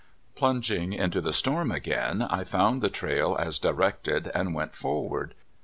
Plunging into the storm again, I found the trail as directed, and went forward.